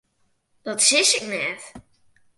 Dat sis ik net.